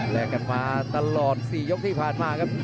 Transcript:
แรกกันมาตลอด๔ยกที่ผ่านมาครับ